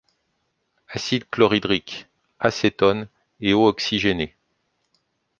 Acide chloridrique, acétone et eau oxygénée.